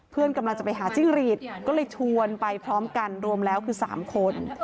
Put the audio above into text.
เพื่อนกำลังจะไปหาจิ้งหรีดก็เลยชวนไปพร้อมกันรวมแล้วคือ๓คน